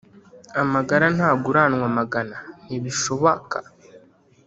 Amagara ntaguranwa amagana ntibishobaka